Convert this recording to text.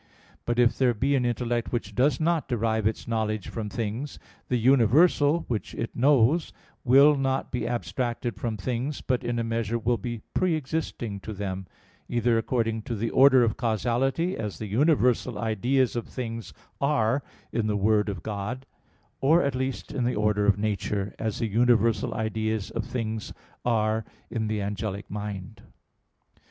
But if there be an intellect which does not derive its knowledge from things, the universal which it knows will not be abstracted from things, but in a measure will be pre existing to them; either according to the order of causality, as the universal ideas of things are in the Word of God; or at least in the order of nature, as the universal ideas of things are in the angelic mind.